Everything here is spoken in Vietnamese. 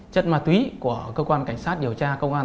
chất ma túy của cơ quan cảnh sát điều tra công an